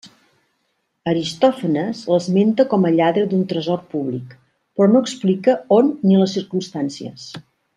Aristòfanes l'esmenta com a lladre d'un tresor públic, però no explica on ni les circumstàncies.